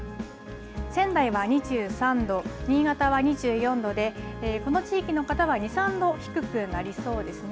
仙台は２３度、新潟は２４度で、この地域の方は２、３度低くなりそうですね。